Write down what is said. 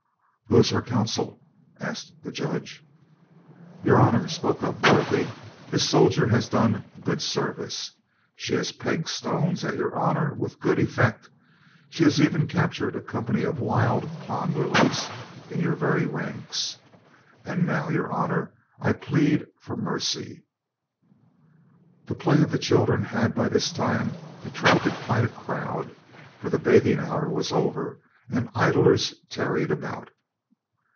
"Who is her counsel?" asked the Judge. "Your honor," spoke up Dorothy, "this soldier has done good service. She has pegged stones at your honor with good effect, she has even captured a company of wild pond lilies in your very ranks, and now, your honor, I plead for mercy." The play of the children had, by this time, attracted quite a crowd, for the bathing hour was over, and idlers tarried about.